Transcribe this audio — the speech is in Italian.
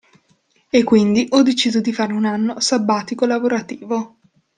E quindi ho deciso di fare un anno sabbatico-lavorativo.